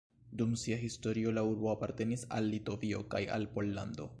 Dum sia historio la urbo apartenis al Litovio kaj al Pollando.